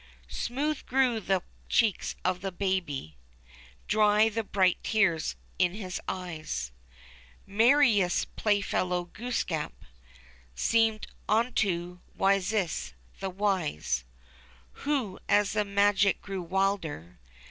Smooth grew the cheeks of the Baby, Dry the bright tears in his eyes ; Merriest playfellow Glooskap Seemed unto Wasis, the wise. Who, as the magic grew wilder.